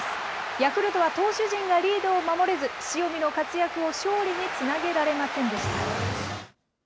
ヤクルトは投手陣がリードを守れず、塩見の活躍を勝利につなげられませんでした。